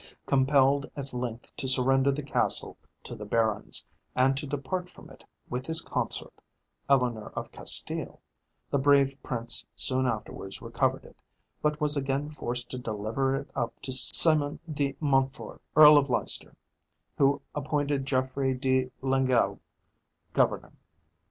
Compelled at length to surrender the castle to the barons, and to depart from it with his consort, Eleanor of Castile, the brave prince soon afterwards recovered it, but was again forced to deliver it up to Simon de Montford, Earl of Leicester, who appointed Geoffrey de Langele governor.